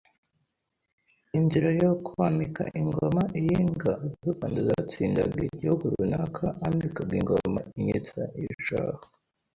Inzira yo kwamika ingoma: Iyo inga z’u Rwanda zatsindaga igihugu runaka amikaga ingoma iinyita iishahu